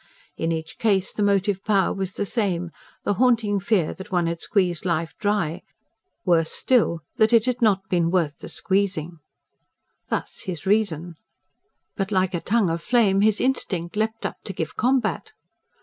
In each case the motive power was the same: the haunting fear that one had squeezed life dry; worse still, that it had not been worth the squeezing. Thus his reason. But, like a tongue of flame, his instinct leapt up to give combat.